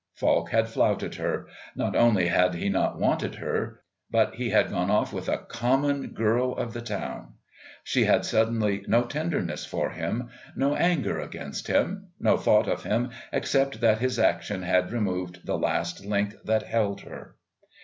Falk had flouted her; not only had he not wanted her, but he had gone off with a common girl of the town. She had suddenly no tenderness for him, no anger against him, no thought of him except that his action had removed the last link that held her.